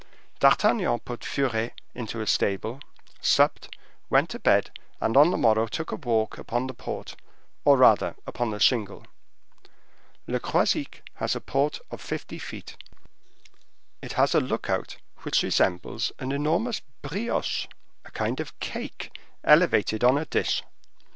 D'Artagnan put Furet into a stable; supped, went to bed, and on the morrow took a walk upon the port or rather upon the shingle. Le Croisic has a port of fifty feet; it has a look out which resembles an enormous brioche (a kind of cake) elevated on a dish.